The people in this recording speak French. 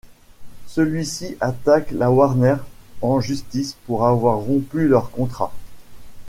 Celui-ci attaque la Warner en justice pour avoir rompu leur contrat.